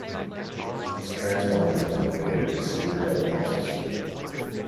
Its transponder is located in Cedar Hill, Texas.